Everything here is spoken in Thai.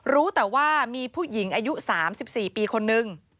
รู้แต่ว่ามีผู้หญิงอายุ๓๔ปีคนนึง